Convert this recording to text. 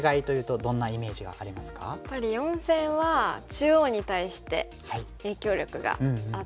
やっぱり四線は中央に対して影響力があって。